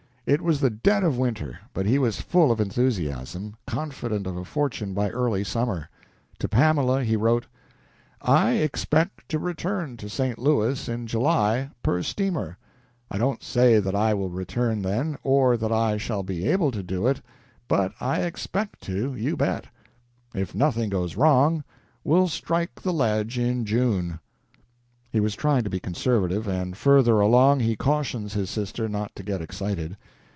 It was the dead of winter, but he was full of enthusiasm, confident of a fortune by early summer. To Pamela he wrote: "I expect to return to St. Louis in July per steamer. I don't say that I will return then, or that I shall be able to do it but I expect to you bet .... If nothing goes wrong, we'll strike the ledge in June." He was trying to be conservative, and further along he cautions his sister not to get excited.